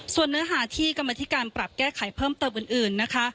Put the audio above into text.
ส่วนเนื้อหาที่ก็มาที่การปรับแก้ไขเพิ่มตะวันอื่น